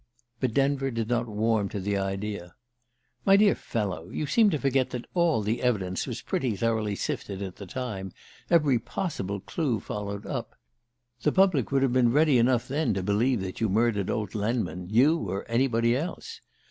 But Denver did not warm to the idea. "My dear fellow, you seem to forget that all the evidence was pretty thoroughly sifted at the time, every possible clue followed up. The public would have been ready enough then to believe that you murdered old Lenman you or anybody else.